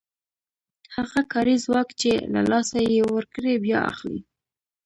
هغه کاري ځواک چې له لاسه یې ورکړی بیا اخلي